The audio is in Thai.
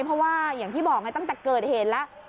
เพราะว่าอย่างที่บอกไงตั้งแต่เกิดเหตุแล้ว